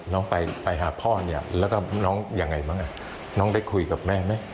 น้องไปหาพ่อเนี่ยแล้วก็น้องยังไงบ้างน้องได้คุยกับแม่ไหม